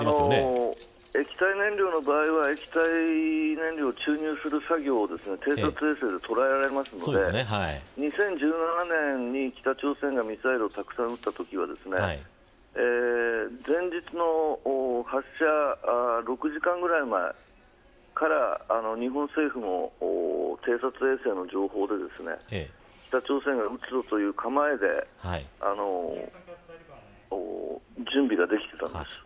液体燃料の場合は燃料を注入する作業が偵察衛星で見られるので北朝鮮がミサイルをたくさん撃ったときにも前日の発射６時間ぐらい前から日本も偵察衛星の情報で北朝鮮が撃つという構えで準備ができていたんです。